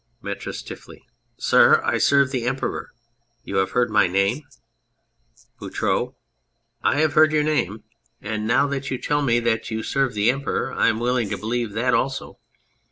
METRIS (stiffly}. Sir, I serve the Emperor. You have heard my name. BOUTROUX. I have heard your name, and now that 222 The Fog you tell me that you serve the Emperor I am willing to believe that also.